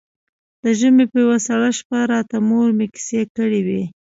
د ژمي په يوه سړه شپه راته مور مې کيسې کړې وې.